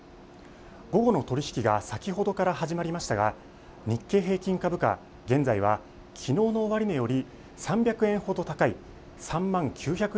午後の取り引きが先ほどから始まりましたが日経平均株価、現在はきのうの終値より３００円ほど高い３万９００